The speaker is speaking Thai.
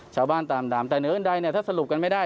ตามแต่เหนืออื่นใดเนี่ยถ้าสรุปกันไม่ได้